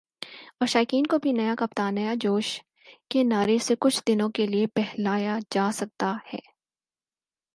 اور شائقین کو بھی "نیا کپتان ، نیا جوش" کے نعرے سے کچھ دنوں کے لیے بہلایا جاسکتا ہے ۔